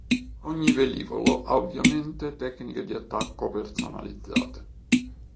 Ogni velivolo ha ovviamente tecniche di attacco personalizzate.